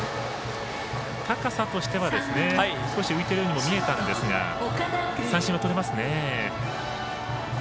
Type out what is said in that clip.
高さとしては少し浮いているようにも見えたんですが三振、とれますね。